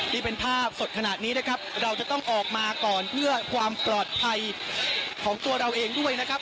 นี่เป็นภาพสดขนาดนี้นะครับเราจะต้องออกมาก่อนเพื่อความปลอดภัยของตัวเราเองด้วยนะครับ